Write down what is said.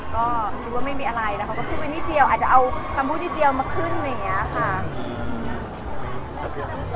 ก็ะรู้ว่าไม่มีอะไรนะครับตัวไปนิดเดียวเอาพลังพูดเยอะเทียมมาขึ้นเลยงี้ค่ะ